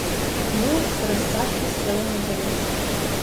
Моладзь з расцяжкай села на зямлю.